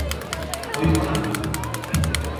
Oĩ porã.